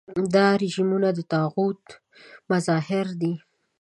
دا رژیمونه د طاغوت مظاهر دي.